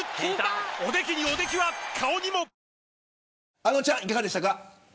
あのちゃん、いかがでしたか。